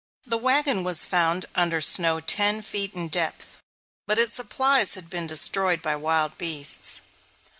The wagon was found under snow ten feet in depth; but its supplies had been destroyed by wild beasts.